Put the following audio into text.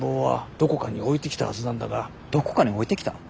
どこかに置いてきた？